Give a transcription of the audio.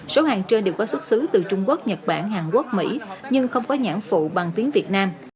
số hàng trên đều có xuất xứ từ trung quốc nhật bản hàn quốc mỹ nhưng không có nhãn phụ bằng tiếng việt nam